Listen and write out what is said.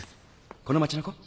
この町の子？